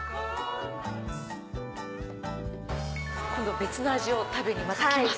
今度別の味を食べに来ます。